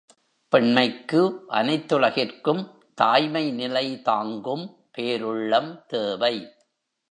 பெண்மைக்கு அனைத்துலகிற்கும் தாய்மை நிலை தாங்கும் பேருள்ளம் தேவை.